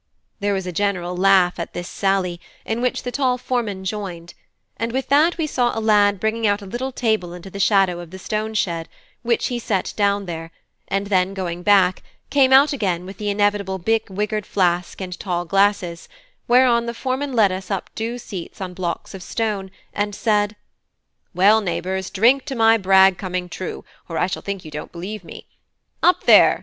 There was a general laugh at this sally, in which the tall foreman joined; and with that we saw a lad bringing out a little table into the shadow of the stone shed, which he set down there, and then going back, came out again with the inevitable big wickered flask and tall glasses, whereon the foreman led us up to due seats on blocks of stone, and said: "Well, neighbours, drink to my brag coming true, or I shall think you don't believe me! Up there!"